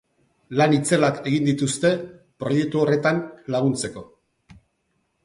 Lan itzelak egin dituzte proiektu horretan laguntzeko.